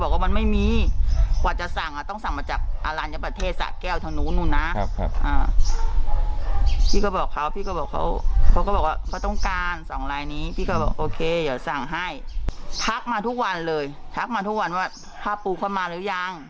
โอเคเดี๋ยวสั่งให้ทักมาทุกวันเลยทักมาทุกวันว่าผ้าปูเขามาหรือยัง